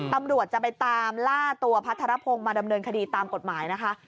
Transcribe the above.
ตำรวจจะไปตามล่าตัวพัทรพงศ์มาดำเนินคดีตามกฎหมายนะคะ